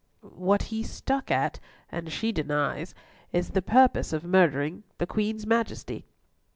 What he stuck at and she denies, is the purpose of murdering the Queen's Majesty."